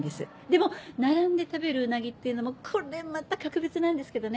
でも並んで食べるうなぎっていうのもこれまた格別なんですけどね。